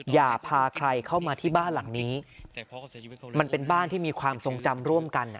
อย่าพาใครเข้ามาที่บ้านหลังนี้มันเป็นบ้านที่มีความทรงจำร่วมกัน